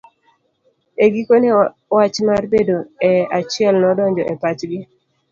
E gikone wach mar bedo e achiel nodonjo e pachgi.